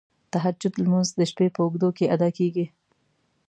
تهجد لمونځ د شپې په اوږدو کې ادا کیږی.